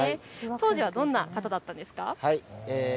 当時はどんな方だったんですか。